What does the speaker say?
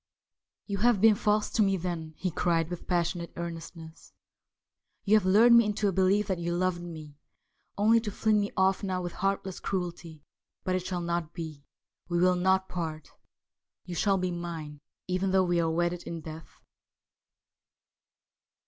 ' You have been false to me, then,' he cried with passionate earnestness. ' You have lured me into a belief that you loved me, only to fling me off now with heartless cruelty. But it shall not be. We will not part. You shall be mine, even though we are wedded in death.'